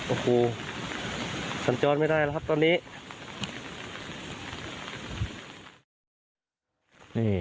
โอ้โหสัญจรไม่ได้แล้วครับตอนนี้